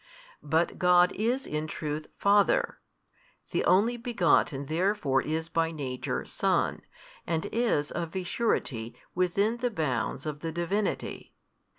But God is in truth Father: the Only Begotten therefore is by Nature Son, and is of a surety within the bounds of the Divinity.